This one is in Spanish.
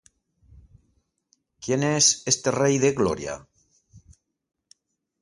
¿Quién es este Rey de gloria?